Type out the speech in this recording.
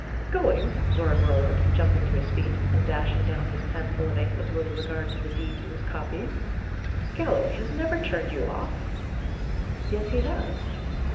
"Going!" roared Roland, jumping to his feet, and dashing down his pen full of ink, with little regard to the deed he was copying. "Galloway has never turned you off!" "Yes, he has."